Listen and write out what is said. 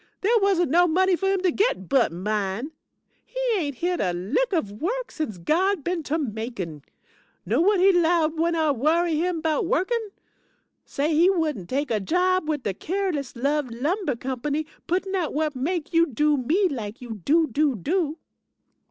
There wasn't no money for him to git but mine. He ain't hit a lick of work since God been to Macon. Know whut he 'lowed when I worry him 'bout workin'? Says he wouldn't take a job wid de Careless Love Lumber Company, puttin' out whut make you do me lak you do, do, do.